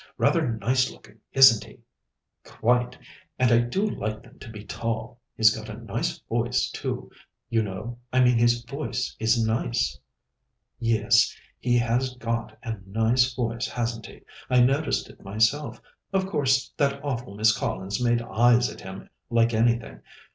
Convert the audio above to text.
Rather nice looking, isn't he?" "Quite, and I do like them to be tall. He's got a nice voice, too. You know I mean his voice is nice." "Yes; he has got a nice voice, hasn't he? I noticed it myself. Of course, that awful Miss Collins made eyes at him like anything.